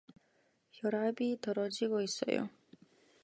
혈압이 떨어지고 있어요.